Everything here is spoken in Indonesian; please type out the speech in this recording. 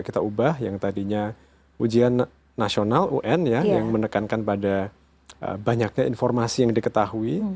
kita ubah yang tadinya ujian nasional un ya yang menekankan pada banyaknya informasi yang diketahui